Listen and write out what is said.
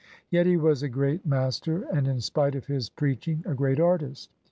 Yet he was a great master, and, in spite of his preaching, a great artist.